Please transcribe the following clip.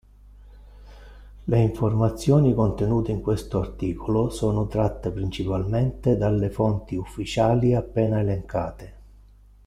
Le informazioni contenute in questo articolo sono tratte principalmente dalle fonti ufficiali appena elencate.